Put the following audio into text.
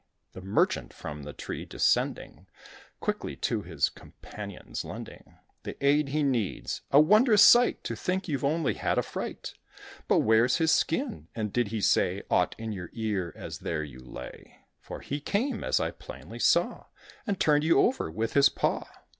The merchant, from the tree descending Quickly, to his companion's lending The aid he needs. "A wondrous sight, To think you've only had a fright. But where's his skin? and did he say Aught in your ear, as there you lay? For he came, as I plainly saw, And turned you over with his paw."